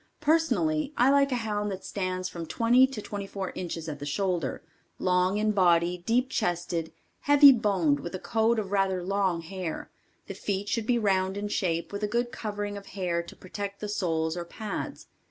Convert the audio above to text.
] Personally, I like a hound that stands from 20 to 24 inches at shoulder, long in body, deep chested, heavy boned with a coat of rather long hair, the feet should be round in shape with a good covering of hair to protect the soles or pads.